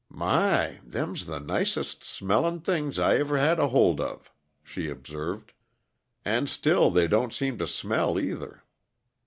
"My! them's the nicest smellin' things I ever had a hold of," she observed. "And still they don't seem to smell, either.